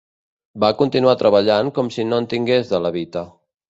Va continuar treballant com si no en tingués de levita.